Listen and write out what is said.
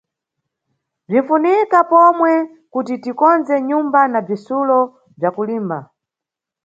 Bzinʼfunika pomwe kuti tikondze nyumba na bzitsulo bza kulimba.